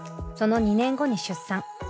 その２年後に出産。